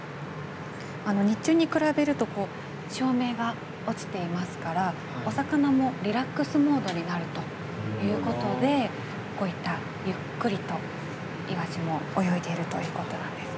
日中に比べると照明が落ちていますからお魚もリラックスモードになるということでこういったゆっくりとイワシも泳いでいるということなんです。